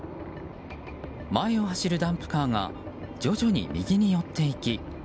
前を走るダンプカーが徐々に右に寄っていき